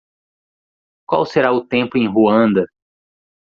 Qual será o tempo em Ruanda?